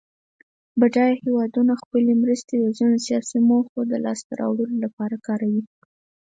بډایه هېوادونه خپلې مرستې د ځینو سیاسي موخو د لاس ته راوړلو لپاره کاروي.